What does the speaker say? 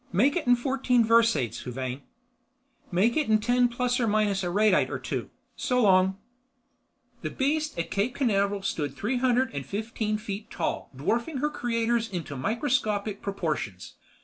Make it in fourteen versaids, Huvane." "Make it in ten plus or minus a radite or two. So long!" The beast at Cape Canaveral stood three hundred and fifteen feet tall dwarfing her creators into microscopic proportions.